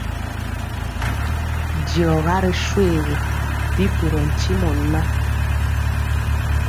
D@Diɔga ri shoégu, bi ɓorɔɔ ntimɔ ŋan.